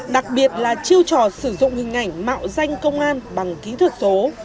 đặc biệt là chiêu trò sử dụng hình ảnh mạo danh công an bằng kỹ thuật số